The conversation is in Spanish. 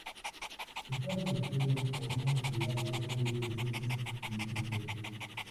Está revestido por un pelaje doble y grueso que lo protege.